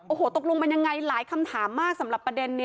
โอ้โหตกลงมันยังไงหลายคำถามมากสำหรับประเด็นนี้